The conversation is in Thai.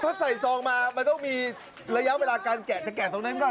ถ้าใส่ซองมามันต้องมีระยะเวลาการแกะจะแกะตรงนั้นก่อน